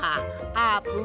あーぷん！